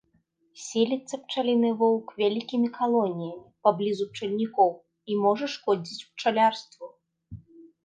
Селіцца пчаліны воўк вялікімі калоніямі паблізу пчальнікоў і можа шкодзіць пчалярству.